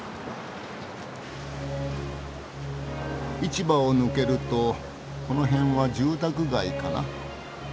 市場を抜けるとこの辺は住宅街かな。